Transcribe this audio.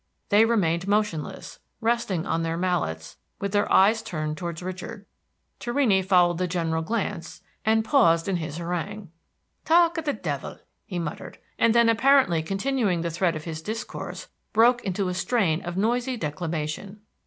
They remained motionless, resting on their mallets, with their eyes turned towards Richard. Torrini followed the general glance, and pause din his harangue. "Talk of the devil!" he muttered, and then, apparently continuing the thread of his discourse, broke into a strain of noisy declamation.